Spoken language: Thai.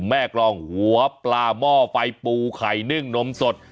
แม่กรองหัวปลาหม้อไฟปูไข่นึ่งนมสด